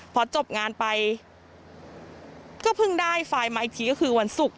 พอจบงานไปก็เพิ่งได้ไฟล์มาอีกทีก็คือวันศุกร์